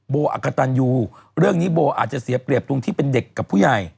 อักกตันยูเรื่องนี้โบอาจจะเสียเปรียบตรงที่เป็นเด็กกับผู้ใหญ่